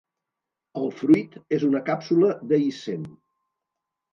El fruit és una càpsula dehiscent.